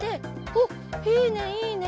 おっいいねいいね。